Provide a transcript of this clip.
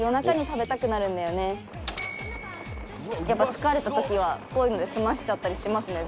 疲れたときはこういうので済ませちゃったりしますね。